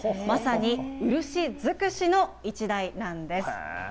まさに、漆尽くしの一台なんです。